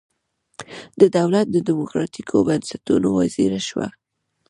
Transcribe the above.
د دولت د دموکراتیکو بنسټونو وزیره شوه.